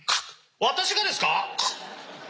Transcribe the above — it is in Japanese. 私がですか？